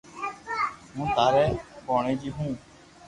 ھون ٿاري ڀوڻيجي ھون